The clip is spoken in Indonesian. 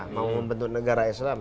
mau membentuk negara islam